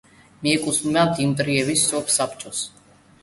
მიეკუთვნება დმიტრიევის სოფსაბჭოს.